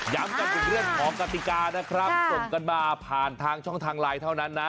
จนถึงเรื่องของกติกานะครับส่งกันมาผ่านทางช่องทางไลน์เท่านั้นนะ